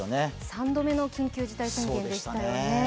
三度目の緊急事態宣言でしたよね。